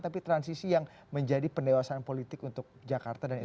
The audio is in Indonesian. tapi transisi yang menjadi pendewasan politik untuk jakarta dan indonesia